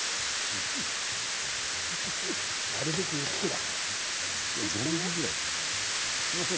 なるべく薄くだから。